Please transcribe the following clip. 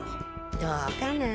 どうかな。